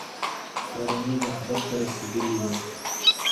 کورنۍ به هدف ته رسېدلې وي.